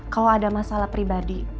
kalau ada masalah pribadi